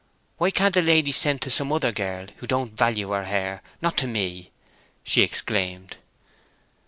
"Why can't the lady send to some other girl who don't value her hair—not to me?" she exclaimed.